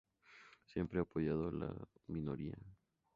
Siempre he apoyado las minorías...